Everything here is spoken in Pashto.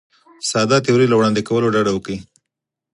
ساده تیورۍ له وړاندې کولو ډډه وکړي.